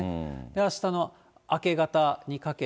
あしたの明け方にかけて。